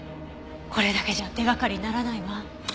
これだけじゃ手掛かりにならないわ。